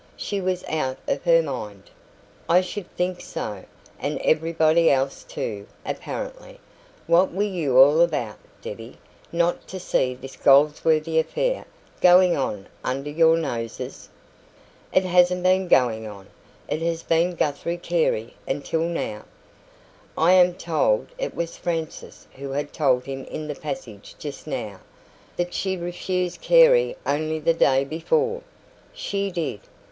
She was out of her mind." "I should think so and everybody else too, apparently. What were you all about, Debbie, not to see this Goldsworthy affair going on under your noses?" "It hasn't been going on. It has been Guthrie Carey until now." "I am told" it was Frances who had told him in the passage just now "that she refused Carey only the day before." "She did."